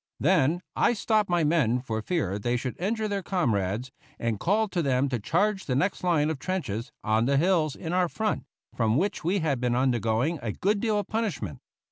Then I stopped my men for fear they should injure their comrades, and called to them to charge the next line of trenches, on the hills in our front, from which we had been undergoing a good deal of punishment.